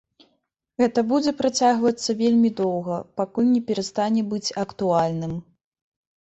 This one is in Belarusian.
Гэта будзе працягвацца вельмі доўга, пакуль не перастане быць актуальным.